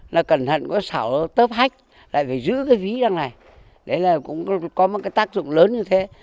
là cẩn thận có xảo tớp hách lại phải giữ cái ví đằng này đấy là cũng có mấy cái tác dụng lớn như thế